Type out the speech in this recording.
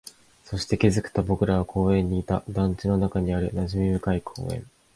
そして、気づくと僕らは公園にいた、団地の中にある馴染み深い公園